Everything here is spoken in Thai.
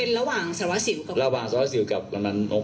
เป็นระหว่างสาวะสิวกับระหว่างสาวะสิวกับอืมครับอืมแล้วเกิดยัง